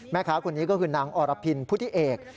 แม่ค้าคนนี้ก็คือนางอรพินพุทธิเอก